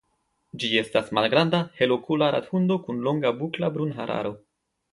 Ĝi estas malgranda, helokula rathundo kun longa bukla brunhararo.